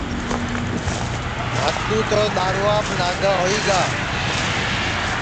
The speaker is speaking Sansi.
بھاتُو تو دؔارووا ناگا ہوئی گا